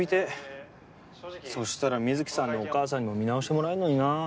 そしたら美月さんのお母さんにも見直してもらえるのになあ。